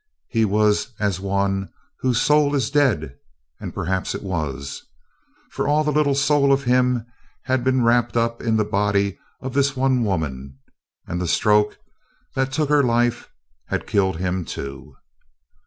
He was as one whose soul is dead, and perhaps it was; for all the little soul of him had been wrapped up in the body of this one woman, and the stroke that took her life had killed him too.